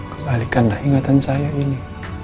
kembalikanlah ingatan saya ini